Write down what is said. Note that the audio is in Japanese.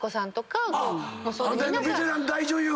ベテラン大女優が⁉あと。